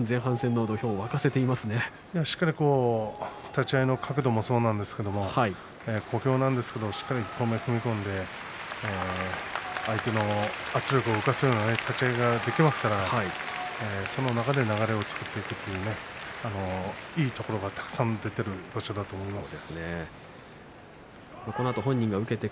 立ち合いの角度もそうなんですけれども小兵なんですけどもしっかり踏み込んで相手の圧力を脅かすような立ち合いはできていますからその流れの中で流れを作っていくところがたくさん出ている場所だと思います。